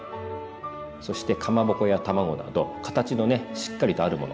そしてかまぼこや卵など形のねしっかりとあるもの。